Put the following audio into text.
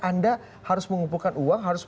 anda harus mengumpulkan uang harus